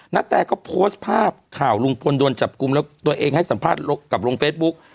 นาแตก็โพสต์ภาพข่าวลุงพลโดนจับกลุ่มแล้วตัวเองให้สัมภาษณ์กับลงเฟซบุ๊ก